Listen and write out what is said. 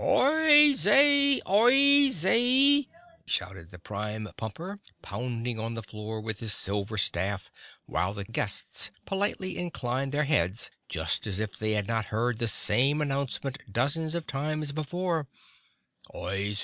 "Oyez! Oyez!" shouted the Prime Pumper, pounding on the floor with his silver staff, while the guests politely inclined their heads just as if they had not heard the same announcement dozens of times before: "Oyez!